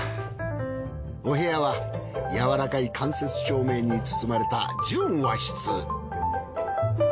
お部屋はやわらかい間接照明に包まれた純和室。